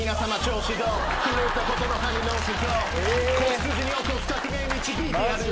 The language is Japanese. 「子羊に起こす革命」「導いてやるよ